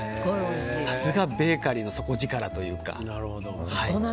さすが、ベーカリーの底力というか。